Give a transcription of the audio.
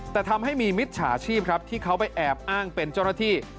แต่ทำให้มีมิจฉาชีพครับที่เขาไปแอบอ้างเป็นเจ้าหน้าที่